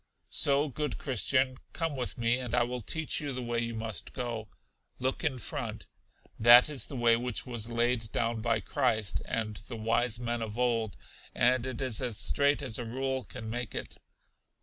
So, good Christian, come with me, and I will teach you the way you must go. Look in front. That is the way which was laid down by Christ and the wise men of old, and it is as straight as a rule can make it.